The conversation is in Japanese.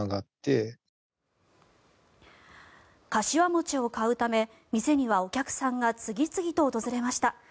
柏餅を買うため、店にはお客さんが次々と訪れました。